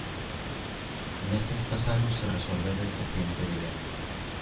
Meses pasaron si resolver el creciente dilema.